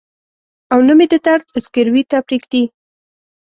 او نه مې د درد ځګروي ته پرېږدي.